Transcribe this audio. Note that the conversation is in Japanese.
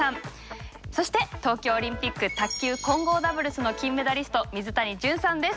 そして東京オリンピック卓球混合ダブルスの金メダリスト水谷隼さんです。